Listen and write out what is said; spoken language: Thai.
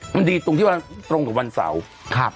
มันดีตรงที่วันตรงกับวันเสาร์